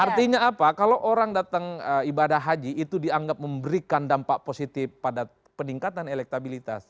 artinya apa kalau orang datang ibadah haji itu dianggap memberikan dampak positif pada peningkatan elektabilitas